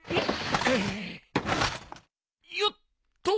よっと！